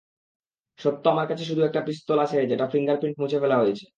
সত্য, আমার কাছে শুধু একটা পিস্তল আছে যেটার ফিঙ্গারপ্রিন্ট মুছে ফেলা হয়েছে।